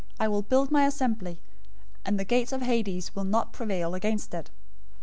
} I will build my assembly, and the gates of Hades{or, Hell} will not prevail against it.